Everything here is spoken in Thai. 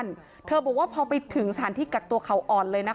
มีแต่เสียงตุ๊กแก่กลางคืนไม่กล้าเข้าห้องน้ำด้วยซ้ำ